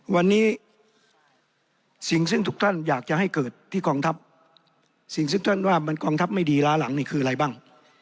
วันนี้สิ่งซึ่งทุกท่านอยากจะให้เกิดที่กองทัพสิ่งที่ท่านว่ามันกองทัพไม่ดีล้าหลังนี่คืออะไรบ้าง